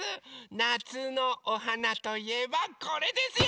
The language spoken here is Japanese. なつのおはなといえばこれですよ！